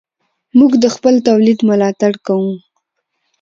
موږ د خپل تولید ملاتړ کوو.